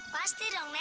pasti dong nek